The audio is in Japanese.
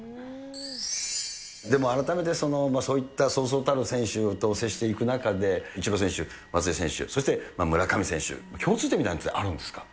でも改めてその、そういったそうそうたる選手と接していく中で、イチロー選手、松井選手、そして村上選手、共通点みたいなものはあるんですか？